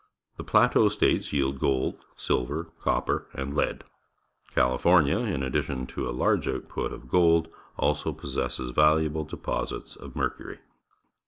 The Plateau States yield gold, silver, copper, and lead. Cahfornia, in addition to a large output of gold, also possesses valuable deposits of mercury.